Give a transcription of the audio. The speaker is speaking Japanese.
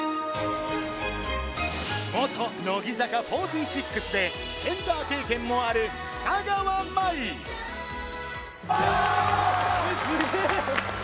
元乃木坂４６でセンター経験もある深川麻衣・わ！